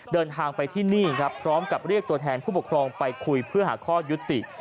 เดินทางไปที่นี่ครับพร้อมกับเรียกตัวแทนผู้ปกครองไปคุยเพื่อหาข้อยุติ